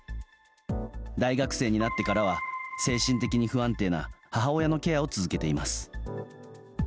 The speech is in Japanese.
大学生になってからは精神的に不安定な母親のケアを続けています。